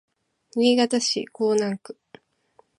新潟市江南区